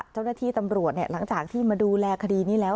เจ้าหน้าที่ตำรวจหลังจากที่มาดูแลคดีนี้แล้ว